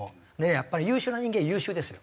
やっぱり優秀な人間は優秀ですよ。